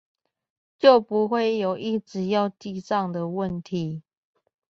就不會有一直要記帳的問題